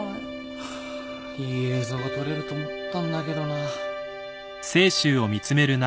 ハァいい映像が撮れると思ったんだけどな。